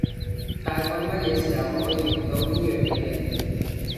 大概乜嘢時候可以用到呢樣嘢？